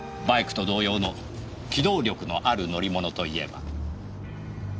バイクと同様の機動力のある乗り物といえば。